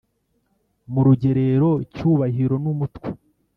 murugerero cyubahiro numutwe